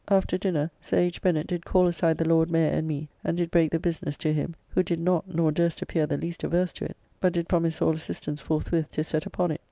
After dinner, Sir H. Bennet did call aside the Lord Mayor and me, and did break the business to him, who did not, nor durst appear the least averse to it, but did promise all assistance forthwith to set upon it.